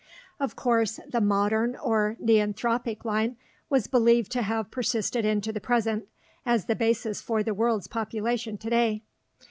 Of course, the modern or neanthropic line was believed to have persisted into the present, as the basis for the world's population today.